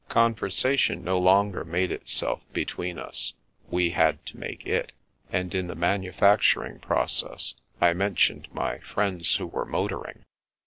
Conversation no longer made itself between us; we had to make it, and in the manufacturing process I mentioned my " friends who were motoring."